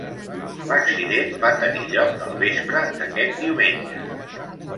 L'accident va tenir lloc al vespre d'aquest diumenge.